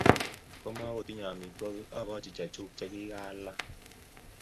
Komakotinnye amitwogik akochi chechuk che kikalaa.